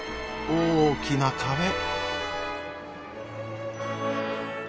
大きな壁。